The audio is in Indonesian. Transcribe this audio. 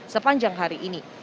sepanjang hari ini